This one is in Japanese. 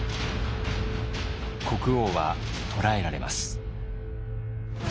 国王は捕らえられます。